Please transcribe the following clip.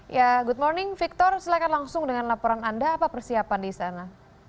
ya good morning victor silahkan langsung dengan laporan anda apa persiapan di sana